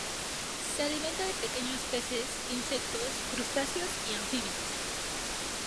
Se alimenta de pequeños peces, insectos, crustáceos y anfibios.